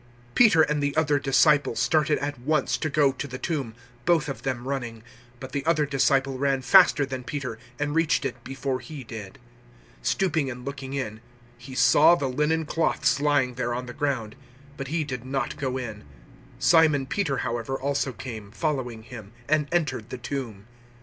020:003 Peter and the other disciple started at once to go to the tomb, both of them running, 020:004 but the other disciple ran faster than Peter and reached it before he did. 020:005 Stooping and looking in, he saw the linen cloths lying there on the ground, but he did not go in. 020:006 Simon Peter, however, also came, following him, and entered the tomb.